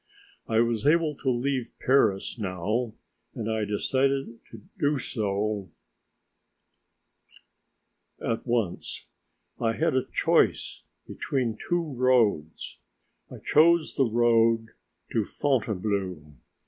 I was able to leave Paris now, and I decided to do so at once. I had a choice between two roads. I chose the road to Fontainebleau.